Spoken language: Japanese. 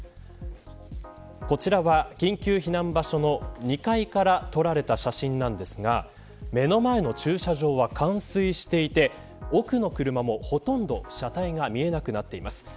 こちらは、緊急避難場所の２階から撮られた写真なんですが目の前の駐車場は冠水していて多くの車も、ほとんど車体が見えなくなっています。